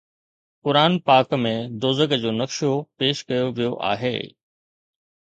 قرآن پاڪ ۾ دوزخ جو نقشو پيش ڪيو ويو آهي